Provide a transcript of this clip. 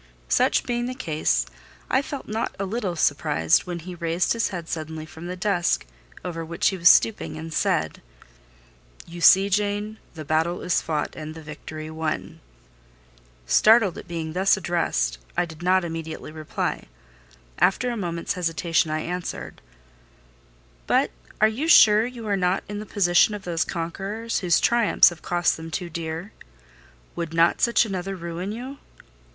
Such being the case, I felt not a little surprised when he raised his head suddenly from the desk over which he was stooping, and said— "You see, Jane, the battle is fought and the victory won." Startled at being thus addressed, I did not immediately reply: after a moment's hesitation I answered— "But are you sure you are not in the position of those conquerors whose triumphs have cost them too dear? Would not such another ruin you?"